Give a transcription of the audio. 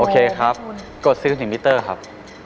โอเคครับกดซื้อ๑มิตเตอร์ครับ